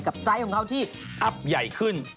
ไซส์ของเขาที่อัพใหญ่ขึ้น